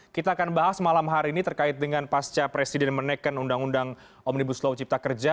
kita akan bahas malam hari ini terkait dengan pasca presiden menekan undang undang omnibus law cipta kerja